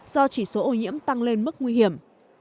do chỉ số ô nhiễm tăng lên mức nguy hiểm